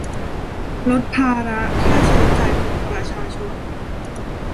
ลดภาระค่าใช้จ่ายของประชาชน